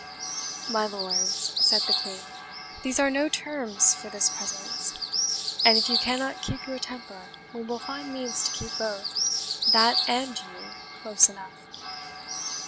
"My lords," said the Queen, "these are no terms for this presence; and if you cannot keep your temper, we will find means to keep both that and you close enough.